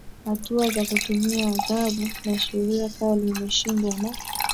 hatua za kutumia adhabu na sheria kali imeshindwa na